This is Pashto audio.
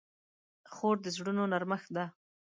خور د زړونو نرمښت ده.